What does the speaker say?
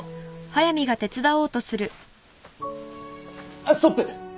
あっストップ！